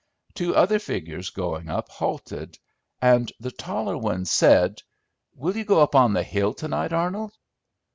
Two other figures going up halted, and the taller one said, "Will you go up on the hill, to night, Arnold?"